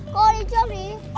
cô đi trước đi